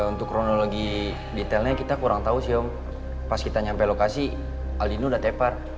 untuk kronologi detailnya kita kurang tahu sih om pas kita nyampe lokasi aldino udah tepar